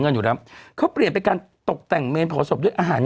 เงินอยู่นะฮะเขาเปลี่ยนไปการตกแต่งเมนผัวศพด้วยอาหาร